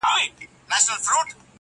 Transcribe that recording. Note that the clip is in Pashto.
په ورځ کي سل ځلي ځارېدله_